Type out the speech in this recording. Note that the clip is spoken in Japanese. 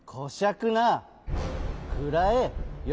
くらえ！よ